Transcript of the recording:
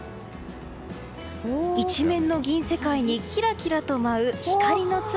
一面の銀世界にキラキラと舞う光の粒。